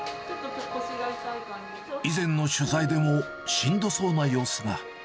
以前の取材でも、しんどそうな様子が。